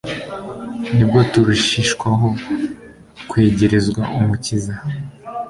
nibwo turushishwaho kwegerezwa Umukiza.